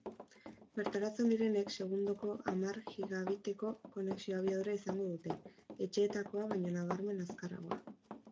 Bertaratzen direnek segundoko hamar gigabiteko konexio-abiadura izango dute, etxeetakoa baino nabarmen azkarragoa.